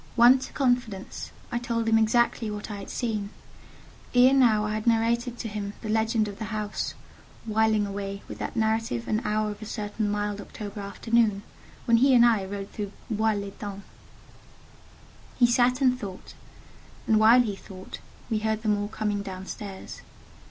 Won to confidence, I told him exactly what I had seen: ere now I had narrated to him the legend of the house—whiling away with that narrative an hour of a certain mild October afternoon, when he and I rode through Bois l'Etang. He sat and thought, and while he thought, we heard them all coming down stairs.